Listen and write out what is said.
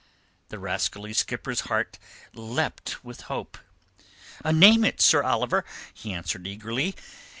The rascally skipper's heart leapt with hope. "Name it, Sir Oliver," he answered eagerly.